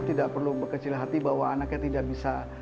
tidak perlu berkecil hati bahwa anaknya tidak bisa